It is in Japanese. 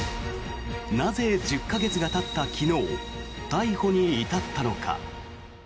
なぜ１０か月がたった昨日逮捕に至ったのか。